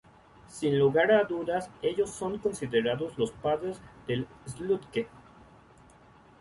Sin lugar a dudas ellos son considerados los padres del sludge.